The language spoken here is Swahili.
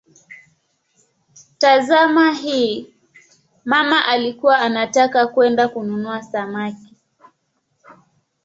Tazama hii: "mama alikuwa anataka kwenda kununua samaki".